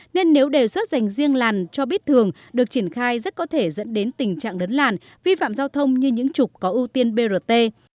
nên nếu đề xuất dành riêng làn cho biết thường được triển khai rất có thể dẫn đến tình trạng lấn làn vi phạm giao thông như những trục có ưu tiên brt